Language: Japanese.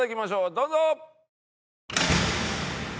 どうぞ！